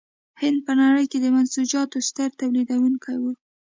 هند په نړۍ کې د منسوجاتو ستر تولیدوونکی و.